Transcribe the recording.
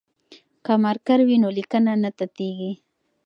که مارکر وي نو لیکنه نه تتېږي.